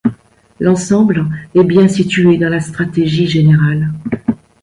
L'ensemble est bien situé dans la stratégie générale.